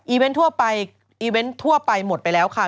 อีเวนต์ทั่วไปหมดไปแล้วค่ะ